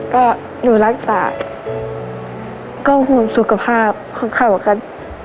ก็หนูรักษาก็ฮุมสุขภาพเข้าเข้ากัน